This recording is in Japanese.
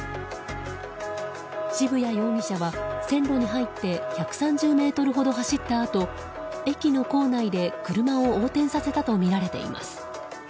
渋谷容疑者は、線路に入って１３０ｍほど走ったあと駅の構内で車を横転させたとみられています。